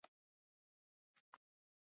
• ژوند هغه ته ښه دی چې ښه فکر لري.